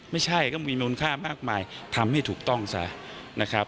ไม่ใช่ก็มีมีคุณค่ามากมายทำให้ถูกต้องซะ